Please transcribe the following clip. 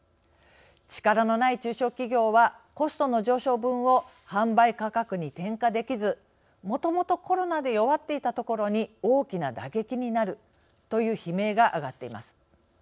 力のない中小企業はコストの上昇分を販売価格に転嫁できずもともとコロナで弱っていたところに大きな打撃になるという悲鳴が上がっています。